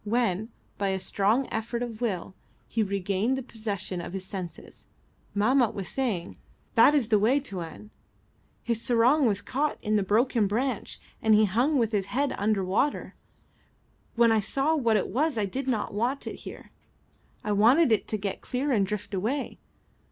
When, by a strong effort of will, he regained the possession of his senses, Mahmat was saying "That is the way, Tuan. His sarong was caught in the broken branch, and he hung with his head under water. When I saw what it was I did not want it here. I wanted it to get clear and drift away.